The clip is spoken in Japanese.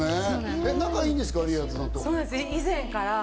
仲良いんですか？